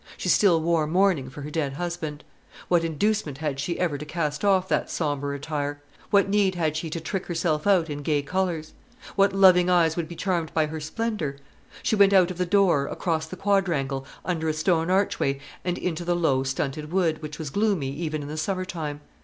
She still wore mourning for her dead husband. What inducement had she ever had to cast off that sombre attire; what need had she to trick herself out in gay colours? What loving eyes would be charmed by her splendour? She went out of the door, across the quadrangle, under a stone archway, and into the low stunted wood, which was gloomy even in the summer time.